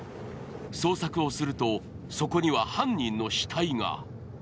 捜索をすると、そこには犯人の死体が。